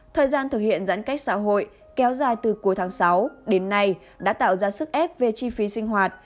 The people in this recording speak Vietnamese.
thời gian thực hiện giãn cách xã hội kéo dài từ cuối tháng sáu đến nay đã tạo ra sức ép về chi phí sinh hoạt